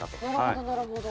なるほどなるほど。